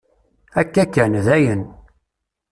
Akka kan, dayen.